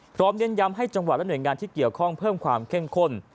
เน้นย้ำให้จังหวัดและหน่วยงานที่เกี่ยวข้องเพิ่มความเข้มข้น